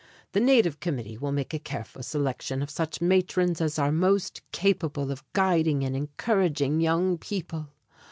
"The native committee will make a careful selection of such matrons as are most capable of guiding and encouraging young people.